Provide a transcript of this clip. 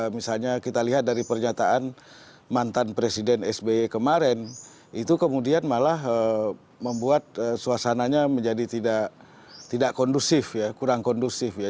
misalnya kita lihat dari pernyataan mantan presiden sby kemarin itu kemudian malah membuat suasananya menjadi tidak kondusif ya kurang kondusif ya